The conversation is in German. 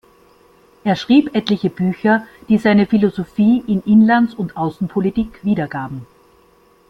Er schrieb etliche Bücher, die seine Philosophie in Inlands- und Außenpolitik wiedergaben.